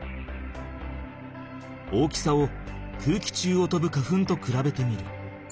大きさを空気中をとぶ花粉とくらべてみる。